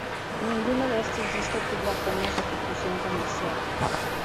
Ninguno de estos discos tuvo apenas repercusión comercial.